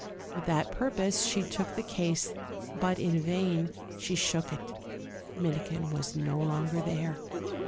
With that purpose she took the case; but in vain she shook it Minikin was no longer there.